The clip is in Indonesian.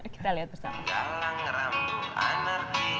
kita lihat bersama